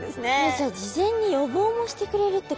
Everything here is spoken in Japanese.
じゃあ事前に予防もしてくれるってこと？